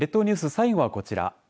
最後はこちら。